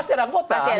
pasti ada anggota